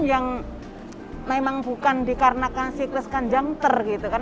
yang memang bukan dikarenakan siklus kanjangter gitu kan